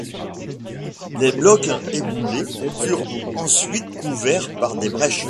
Les blocs éboulés furent ensuite couverts par des brèches.